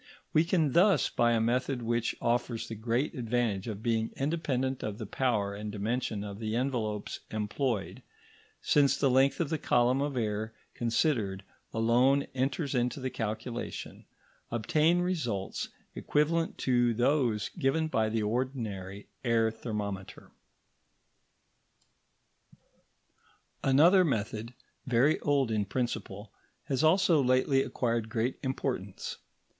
We can thus, by a method which offers the great advantage of being independent of the power and dimension of the envelopes employed since the length of the column of air considered alone enters into the calculation obtain results equivalent to those given by the ordinary air thermometer. Another method, very old in principle, has also lately acquired great importance.